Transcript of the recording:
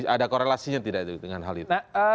ada korelasinya tidak dengan hal itu